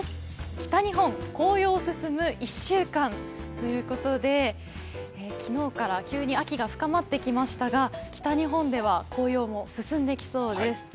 北日本、紅葉進む１週間ということで昨日から急に秋が深まってきましたが北日本では紅葉も進んできそうです。